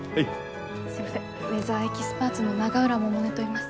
すいませんウェザーエキスパーツの永浦百音といいます。